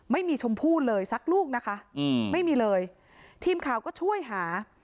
ชมพู่เลยสักลูกนะคะอืมไม่มีเลยทีมข่าวก็ช่วยหา